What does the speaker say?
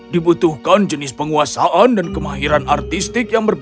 dibutuhkan jenis penguasaan dan kemahiran artistik yang berbeda